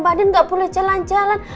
bandin gak boleh jalan jalan